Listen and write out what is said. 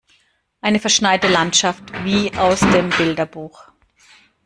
Eine verschneite Landschaft wie aus dem Bilderbuch.